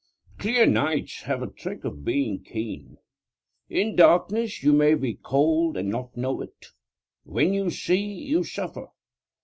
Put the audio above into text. Clear nights have a trick of being keen. In darkness you may be cold and not know it; when you see, you suffer.